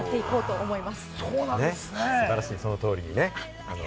素晴らしい、その通りにね。